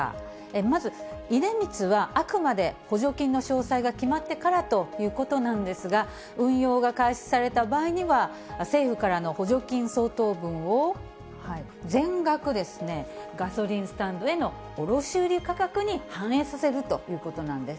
まず、出光は、あくまで補助金の詳細が決まってからということなんですが、運用が開始された場合には、政府からの補助金相当分を、全額ガソリンスタンドへの卸売り価格に反映させるということなんです。